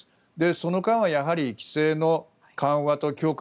その間はやはり、規制の緩和と強化